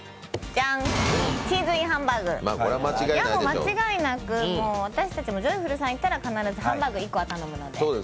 間違いなく、私たちもジョイフルさん行ったら必ずハンバーグ１個は頼むので。